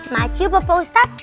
maju bapak ustadz